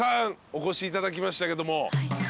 お越しいただきましたけども。